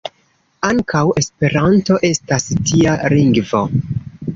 Ankaŭ Esperanto estas tia lingvo.